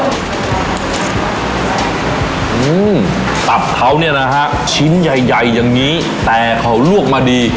อืมตับเขาเนี่ยนะฮะชิ้นใหญ่ใหญ่อย่างนี้แต่เขาลวกมาดี